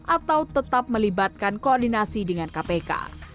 atau tetap melibatkan koordinasi dengan kpk